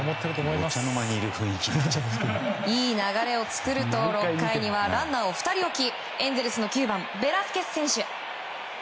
いい流れを作ると６回にはランナーを２人置きエンゼルスの９番ベラスケス選手。